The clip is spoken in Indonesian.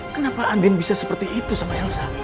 kenapa andin bisa seperti itu sama elsa